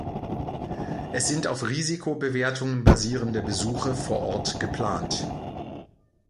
Es sind auf Risikobewertungen basierende Besuche vor Ort geplant.